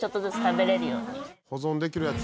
保存できるやつ。